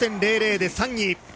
７５．００で３位。